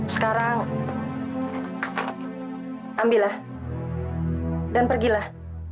sekarang ambillah dan pergilah